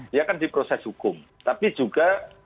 dia kan di proses hukum tapi juga